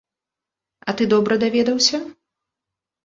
А ты добра даведаўся?